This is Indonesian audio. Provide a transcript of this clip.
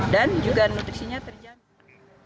dan juga nutrisinya terjadi